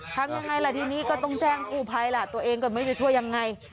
ทำยังไงล่ะทีนี้ก็ต้องแจ้งกู้ภัยแหละตัวเองก็ไม่รู้จะช่วยยังไง